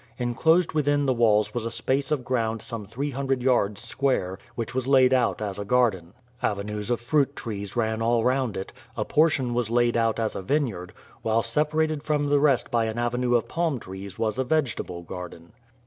Inclosed within the walls was a space of ground some three hundred yards square, which was laid out as a garden. Avenues of fruit trees ran all round it, a portion was laid out as a vineyard, while separated from the rest by an avenue of palm trees was a vegetable garden.